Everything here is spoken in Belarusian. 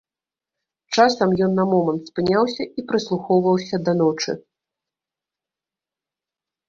Часам ён на момант спыняўся і прыслухоўваўся да ночы.